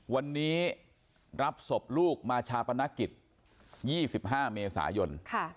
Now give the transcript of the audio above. วันนี้รับศพลูกมาชาปนกิจ๒๕เมษายน